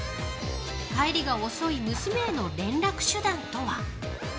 帰りが遅い娘への連絡手段とは。